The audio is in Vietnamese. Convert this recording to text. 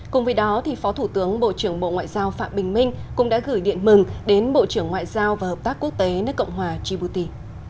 cùng với đó phó thủ tướng bộ trưởng bộ ngoại giao phạm bình minh cũng đã gửi điện mừng đến bộ trưởng ngoại giao và hợp tác quốc tế nước cộng hòa djibuti